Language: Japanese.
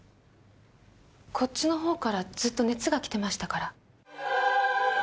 こっちの方からずっと熱がきてましたから。